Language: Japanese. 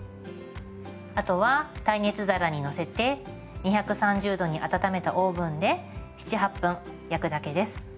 あとは耐熱皿に載せて２３０℃に温めたオーブンで７８分焼くだけです。